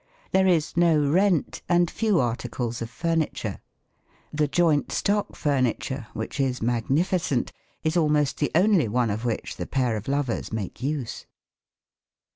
There is no rent and few articles of furniture. The joint stock furniture, which is magnificent, is almost the only one of which the pair of lovers make use.